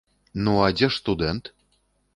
Ну, а дзе ж студэнт?